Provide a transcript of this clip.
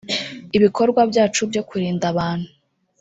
ibikorwa byacu byo kurinda abantu